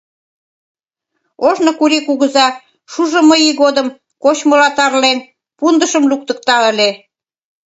— Ожно Кури кугыза, шужымо ий годым, кочмыла тарлен, пундышым луктыкта ыле.